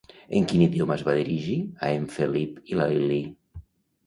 En quin idioma es va dirigir a en Felip i la Lilí?